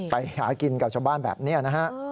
ไปหากินกับชมบ้านแบบนี้นะครับ